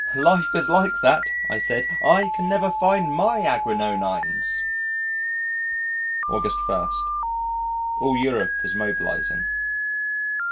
"Life is like that," I said. "I never can find my Agrionines!" August 1. All Europe is mobilising.